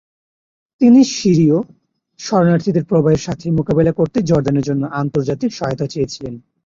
তিনি সিরীয় শরণার্থীদের প্রবাহের সাথে মোকাবিলা করতে জর্ডানের জন্য আন্তর্জাতিক সহায়তা চেয়েছিলেন।